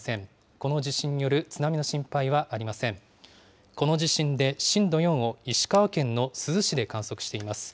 この地震で震度４を石川県の珠洲市で観測しています。